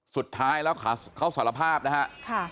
สุดท้ายแล้วเขาสารภาพนะฮะ